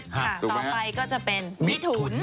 ต่อไปก็จะเป็นมิถุน